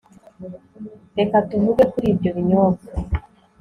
reka tuvuge kuri ibyo binyobwa